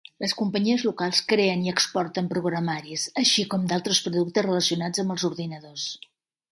Les companyies locals creen i exporten programaris així com d'altres productes relacionats amb els ordenadors.